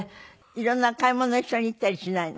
色んな買い物一緒に行ったりしないの？